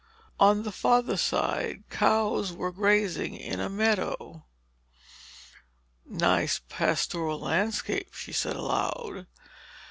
On the farther side, cows were grazing in a meadow. "Nice pastoral landscape," she said aloud.